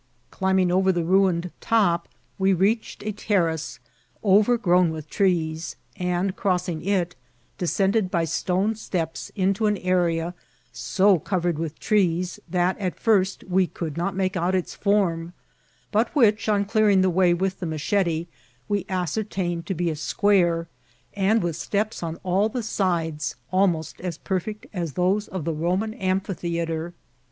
CUndMag oyer the ruined tq[>, we reached a terrace OTergrown with trees, and, crossing it, descended by stone steps into an area so covered witii trees that at first we could not make out its form, but which, on clearing the way with the machete, we ascertained to be a square, and with steps on all the sides almost as perfect as those of the Roman amphitheatre.